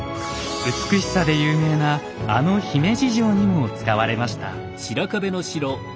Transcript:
美しさで有名なあの姫路城にも使われました。